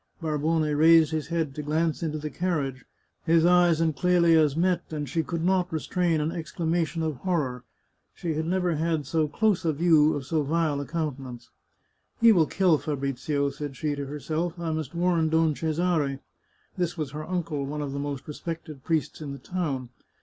Barbone raised his head to glance into the carriage; his eyes and Qelia's met, and she could not restrain an exclamation of horror. She had never had so close a view of so vile a countenance. 277 The Chartreuse of Parma " He will kill Fabrizio," said she to herself. " I must warn Don Cesare." This was her uncle, one of the most respected priests in the town.